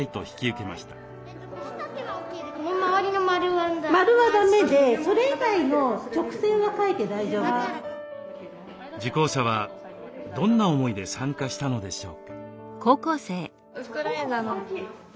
受講者はどんな思いで参加したのでしょうか？